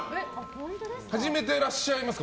始めていらっしゃいますか？